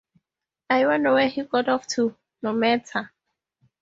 I wonder where he got off to. No matter.